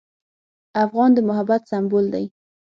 افغان د محبت سمبول دی.